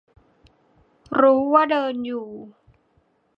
รู้ว่าเดินอยู่